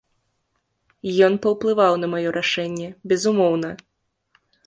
Ён паўплываў на маё рашэнне, безумоўна.